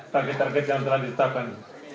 target target yang telah ditetapkan